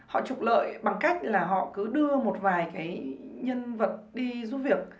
họ trục lợi bằng cách là họ cứ đưa một vài cái nhân vật đi giúp việc